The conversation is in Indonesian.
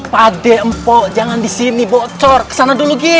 padempo jangan disini bocor kesana dulu